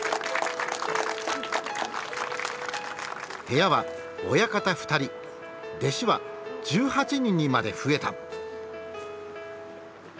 部屋は親方２人弟子は１８人にまで増えた。